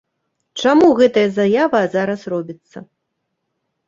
Чаму гэтая заява зараз робіцца?